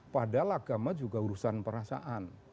padahal agama juga urusan perasaan